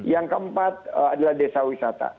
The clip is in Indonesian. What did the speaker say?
yang keempat adalah desa wisata